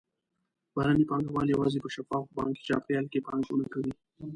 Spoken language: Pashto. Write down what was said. بهرني پانګهوال یوازې په شفاف بانکي چاپېریال کې پانګونه کوي.